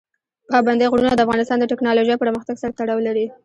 پابندی غرونه د افغانستان د تکنالوژۍ پرمختګ سره تړاو لري.